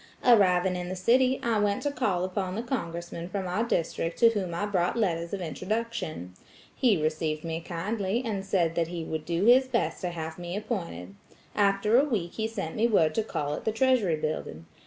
Arriving in the city, I went to call upon the congressman from our district to whom I brought letters of introduction. He received me kindly, and said that he would do his best to have me appointed. After a week he sent me word to call at the Treasury Building.